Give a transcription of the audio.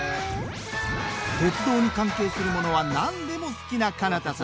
鉄道に関係するものは何でも好きな悠太さん。